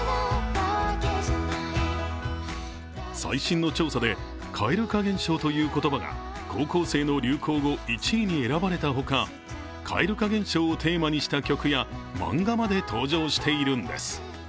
最新の調査で、蛙化現象という言葉が高校生の流行語１位に選ばれたほか蛙化現象をテーマにした曲や漫画まで登場しているんです。